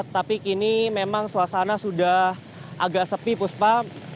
tapi kini memang suasana sudah agak sepi puspa